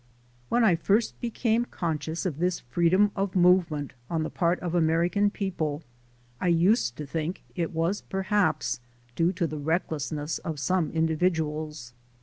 When I first became conscious of this freedom of movement on the part of American people I used to think it was perhaps due to the recklessness of some individuals.